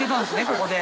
ここで。